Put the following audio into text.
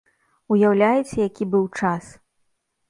Уяўляеце, які быў час!